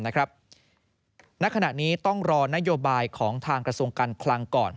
ณขณะนี้ต้องรอนโยบายของทางกระทรวงการคลังก่อน